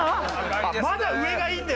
まだ上がいいんだよ。